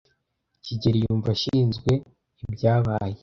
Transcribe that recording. kigeli yumva ashinzwe ibyabaye.